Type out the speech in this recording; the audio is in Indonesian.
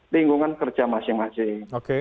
lingkungan kerja masing masing